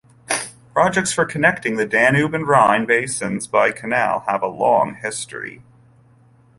Projects for connecting the Danube and Rhine basins by canal have a long history.